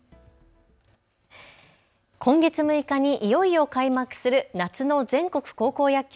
今月６日にいよいよ開幕する夏の全国高校野球。